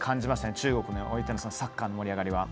中国においてのサッカーの盛り上がり。